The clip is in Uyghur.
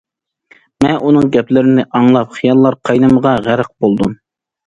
مەن ئۇنىڭ گەپلىرىنى ئاڭلاپ خىياللار قاينىمىغا غەرق بولدۇم.